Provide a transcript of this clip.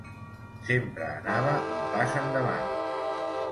Sempre anava un pas endavant.